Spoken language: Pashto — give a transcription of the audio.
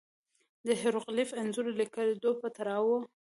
د هېروغلیف انځوریز لیکدود په تړاو وو.